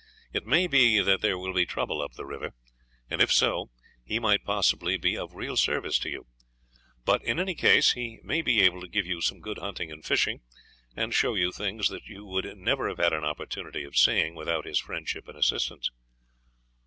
It may be that there will be trouble up the river; and if so, he might possibly be of real service to you. But in any case he may be able to give you some good hunting and fishing, and show you things that you would never have had an opportunity of seeing without his friendship and assistance."